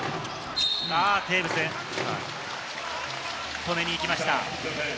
テーブス、止めに行きました。